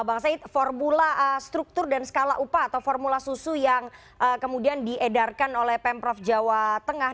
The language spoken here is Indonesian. bang said formula struktur dan skala upah atau formula susu yang kemudian diedarkan oleh pemprov jawa tengah